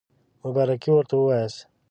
مبارکي ورته ووایاست.